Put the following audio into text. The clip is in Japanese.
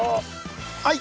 はい！